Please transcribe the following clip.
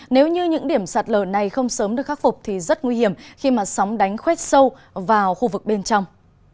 nếu như những điểm sạt lở này không sớm được khắc phục thì rất nguy hiểm khi mà sóng đánh khoét sâu vào khu vực bên trong